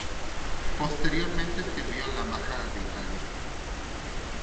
Posteriormente sirvió en la Embajada en Italia.